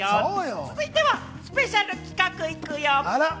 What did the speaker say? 続いてはスペシャル企画、行くよ。